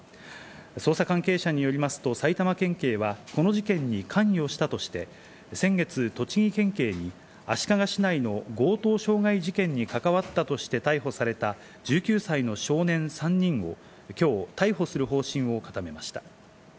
捜査関係者によりますと埼玉県警はこの事件に関与したとして、先月、栃木県警に足利市内の強盗傷害事件に関わったとして逮捕された１９歳の少年３人をきょう逮捕する方針を固めました。